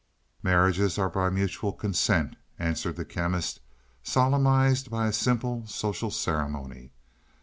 "Marriages are by mutual consent," answered the Chemist, "solemnized by a simple, social ceremony.